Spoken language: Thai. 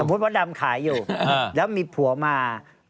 สมมุติว่าดำขายอยู่แล้วมีผัวมา